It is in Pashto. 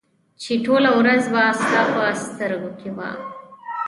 چې ټوله ورځ به ستا په سترګو کې وه